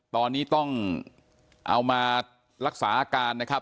ตอนนี้ต้องเอามารักษาอาการนะครับ